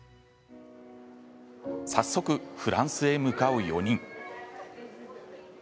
早速、フランスへ向かう４人。